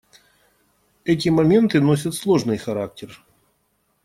Эти моменты носят сложный характер.